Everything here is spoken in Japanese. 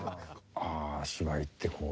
ああ芝居ってこうね